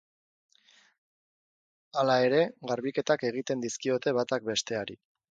Hala ere garbiketak egiten dizkiote batak besteari.